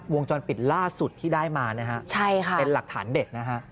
วงจรปิดล่าสุดที่ได้มานะฮะใช่ค่ะเป็นหลักฐานเด็ดนะฮะ